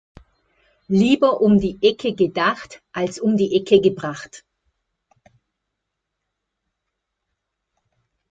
Lieber um die Ecke gedacht als um die Ecke gebracht.